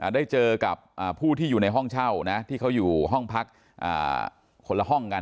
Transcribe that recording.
ได้เจอกับผู้ที่อยู่ในห้องเช่านะที่เขาอยู่ห้องพักคนละห้องกัน